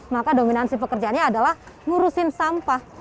maka dominansi pekerjaannya adalah ngurusin sampah